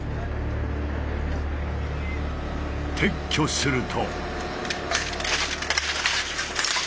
撤去すると。